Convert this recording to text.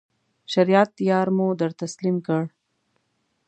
شریعت یار مو در تسلیم کړ.